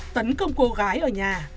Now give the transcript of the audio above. tấn công cô gái ở nhà